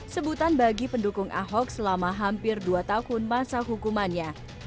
sebutan bagi pendukung ahok selama hampir dua tahun masa hukumannya